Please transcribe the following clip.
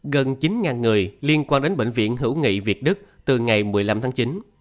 gần chín người liên quan đến bệnh viện hữu nghị việt đức từ ngày một mươi năm tháng chín